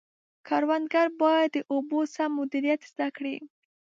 کروندګر باید د اوبو سم مدیریت زده کړي.